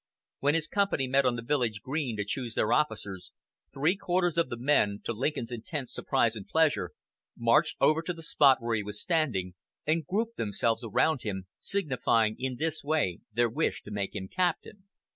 When his company met on the village green to choose their officers, three quarters of the men, to Lincoln's intense surprise and pleasure, marched over to the spot where he was standing and grouped themselves around him, signifying in this way their wish to make him captain.